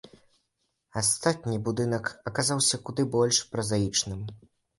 Астатні будынак аказаўся куды больш празаічным.